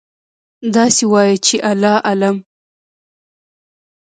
داسې وایئ چې: الله أعلم.